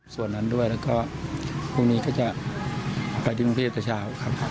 ส่วนนั้นด้วยแล้วก็พรุ่งนี้ก็จะไปที่มหาวิทยาลัยศาสตร์ครับ